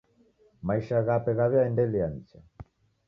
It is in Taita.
Maisha ghape ghaw'iaendelia nicha.